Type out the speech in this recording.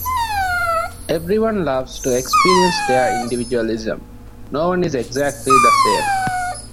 Everyone loves to experience their individualism. No one is exactly the same.